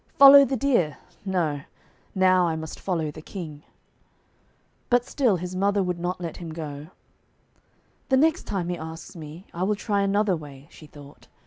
"Follow the deer!" No; now I must follow the King.' But still his mother would not let him go. 'The next time he asks me, I will try another way,' she thought.